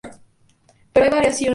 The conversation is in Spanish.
Pero hay variaciones.